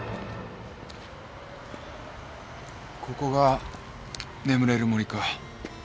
ここが眠れる森か。